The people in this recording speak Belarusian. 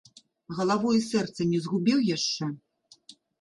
Галаву і сэрца не згубіў яшчэ?